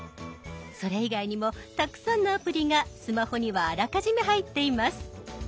それ以外にもたくさんのアプリがスマホにはあらかじめ入っています。